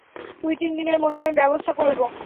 দুই তিন দিনের মধ্যে আমি ব্যবস্থা করব।